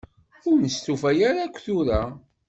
Ur nestufa ara akk tura.